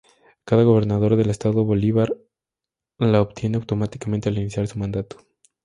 Cada gobernador del Estado Bolívar la obtiene automáticamente al iniciar su mandato.